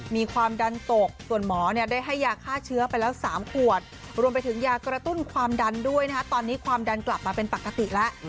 มีความดันตกส่วนหมอได้ให้ยาฆ่าเชื้อไปแล้ว๓ขวดรวมไปถึงยากระตุ้นความดันด้วยนะฮะตอนนี้ความดันกลับมาเป็นปกติแล้ว